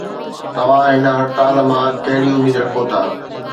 توهان هن هڙتال مان ڪهڙي اميد رکو ٿا؟